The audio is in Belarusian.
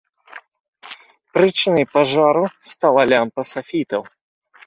Прычынай пажару стала лямпа сафітаў.